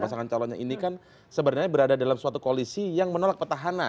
dua pasangan calon yang ini kan sebenarnya berada dalam suatu koalisi yang menolak peta hana